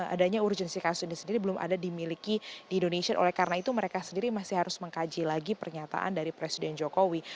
adanya urgensi kasus ini sendiri belum ada dimiliki di indonesia oleh karena itu mereka sendiri masih harus mengkaji lagi pernyataan dari presiden jokowi